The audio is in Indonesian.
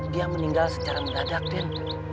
dia meninggal secara meradak den